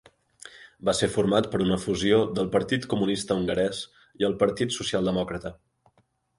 Va ser format per una fusió del Partit Comunista Hongarès i el Partit Socialdemòcrata.